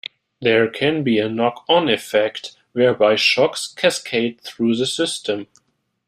There can be a knock-on effect, whereby shocks cascade through the system.